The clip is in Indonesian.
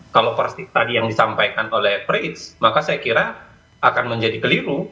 kalau tadi yang disampaikan oleh prince maka saya kira akan menjadi keliru